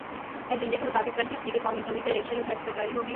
ایجنڈے کے مطابق کل ہی اسپیکر قومی اسمبلی کا الیکشن اور حلف برداری ہوگی۔